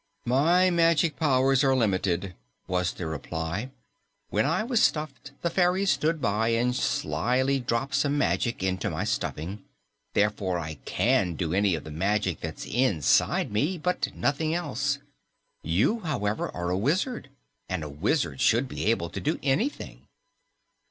"My magic powers are limited," was the reply. "When I was stuffed, the fairies stood by and slyly dropped some magic into my stuffing. Therefore I can do any of the magic that's inside me, but nothing else. You, however, are a wizard, and a wizard should be able to do anything."